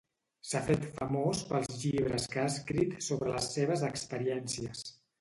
S'ha fet famós pels llibres que ha escrit sobre les seves experiències.